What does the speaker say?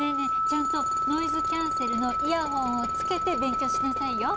ちゃんとノイズキャンセルのイヤホンをつけて勉強しなさいよ。